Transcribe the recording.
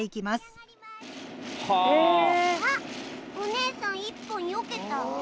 あっおねえさん１本よけた。